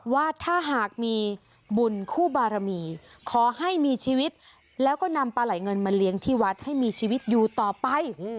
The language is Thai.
ว่าถ้าหากมีบุญคู่บารมีขอให้มีชีวิตแล้วก็นำปลาไหลเงินมาเลี้ยงที่วัดให้มีชีวิตอยู่ต่อไป